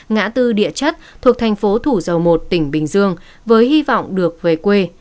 ngã tư địa chất thuộc thành phố thủ dầu một tỉnh bình dương với hy vọng được về quê